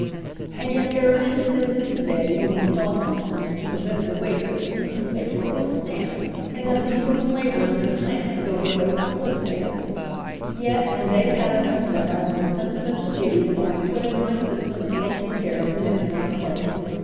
"And yet there are men in business to day who install systems to prevent the waste of a piece of paper or a stamp, and let the human labor 164 HENRY FORD'S OWN STORY in their plants go to waste wholesale. Yes, and they sat up and said I was a sentimental idiot when I put in my system of taking care of the men in my place.